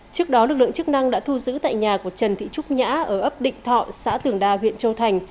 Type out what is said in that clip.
trước đó lực lượng chức năng đã thu giữ tại nhà của trần thị trúc nhã ở ấp định thọ xã tường đa huyện châu thành